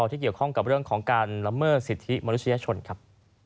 ที่เกี่ยวข้องกับเรื่องของการละเมิดสิทธิมนุษยชนครับ